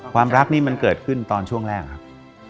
ความรักนี่มันเกิดขึ้นตอนช่วงแรกครับ